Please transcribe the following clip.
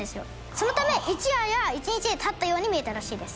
そのため一夜や一日で建ったように見えたらしいです。